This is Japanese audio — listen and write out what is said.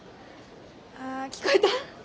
あ聞こえた？